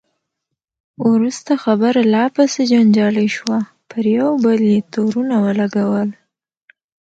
وروسته خبره لا پسې جنجالي شوه، پر یو بل یې تورونه ولګول.